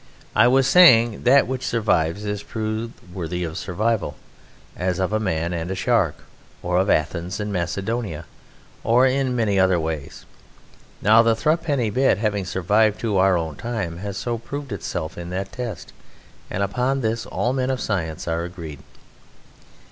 "I was saying that which survives is proved worthy of survival, as of a man and a shark, or of Athens and Macedonia, or in many other ways. Now the thruppenny bit, having survived to our own time, has so proved itself in that test, and upon this all men of science are agreed.